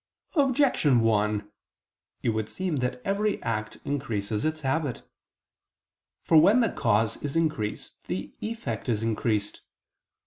Objection 1: It would seem that every act increases its habit. For when the cause is increased the effect is increased.